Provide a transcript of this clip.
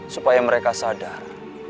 supaya mereka sadar